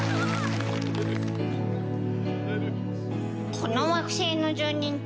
この惑星の住人って